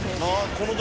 この時？